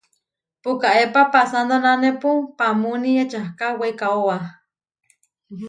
Pukaépa pasándonanepu paamúni ečahká weikaʼoba.